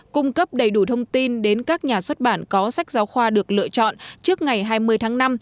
cung cấp đầy đủ thông tin đến các nhà xuất bản có sách giáo khoa được lựa chọn trước ngày hai mươi tháng năm